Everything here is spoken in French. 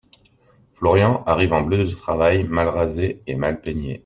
Florian arrive, en bleu de travail, mal rasé et mal peigné.